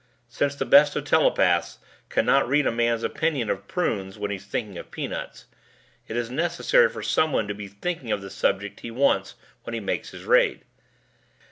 Since the best of telepaths cannot read a man's opinion of prunes when he's thinking of peanuts, it is necessary for someone to be thinking of the subject he wants when he makes his raid.